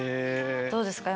どうですか？